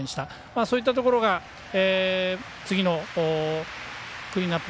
そういったところが次のクリーンアップ